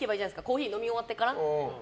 コーヒー飲み終わってから。